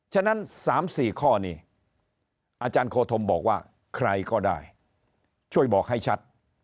ฉะนั้น๓๔ข้อนี้อาจารย์โคธมบอกว่าใครก็ได้ช่วยบอกให้ชัด